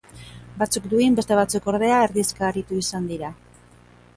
Batzuk duin, beste batzuk ordea, erdizka aritu izan dira.